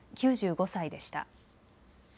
９５歳でした。